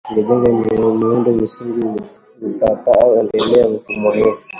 "Tutajenga miundo msingi!" utakao endeleza mfumo hii